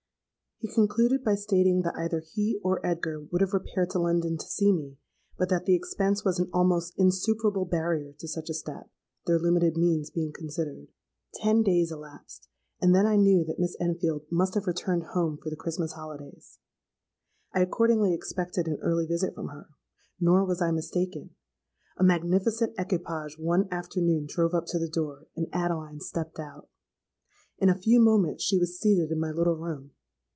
He concluded by stating that either he or Edgar would have repaired to London to see me; but that the expense was an almost insuperable barrier to such a step, their limited means being considered. "Ten days elapsed; and then I knew that Miss Enfield must have returned home for the Christmas holidays. I accordingly expected an early visit from her. Nor was I mistaken. A magnificent equipage one afternoon drove up to the door; and Adeline stepped out. In a few moments she was seated in my little room.